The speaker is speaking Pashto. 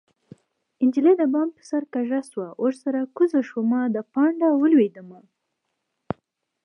نجلۍ د بام په سر کږه شوه ورسره کوږ شومه د پانډه ولوېدمه